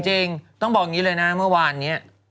จริงต้องบอกอย่างนี้เลยนะเมื่อวานนี้